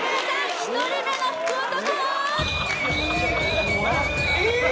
１人目の福男！